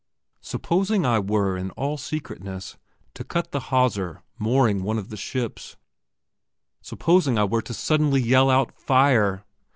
Supposing I were in all secretness to cut the hawser mooring one of those ships? Supposing I were to suddenly yell out "Fire"?